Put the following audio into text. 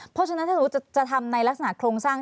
เพราะฉะนั้นถ้าสมมุติจะทำในลักษณะโครงสร้าง